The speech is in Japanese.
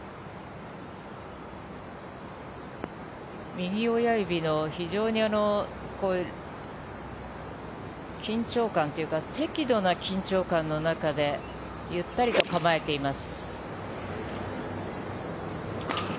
右親指の緊張感というか適度な緊張感の中でゆったりと構えています。